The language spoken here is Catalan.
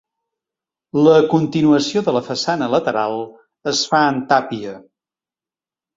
La continuació de la façana lateral es fa en tàpia.